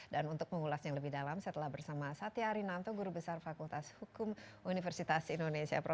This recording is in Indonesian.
dan untuk mengulasnya lebih dalam saya telah bersama satya arinanto guru besar fakultas hukum universitas indonesia